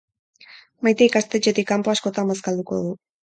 Maite ikastetxetik kanpo askotan bazkalduko du.